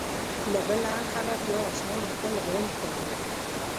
له بل اړخه به بیا اسمان خپل غړومب کاوه.